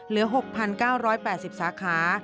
เหลือ๖๙๘๐สาขา